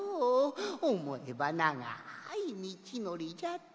おもえばながいみちのりじゃった。